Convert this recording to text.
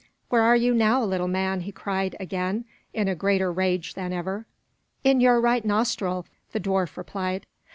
"Where are you now, little man?" he cried again, in a greater rage than ever. "In your right nostril!" the dwarf replied.